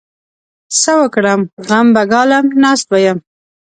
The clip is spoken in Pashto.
څه وکړم؟! غم به ګالم؛ ناست به يم.